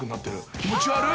気持ちが悪い！